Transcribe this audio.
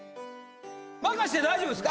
任して大丈夫ですか？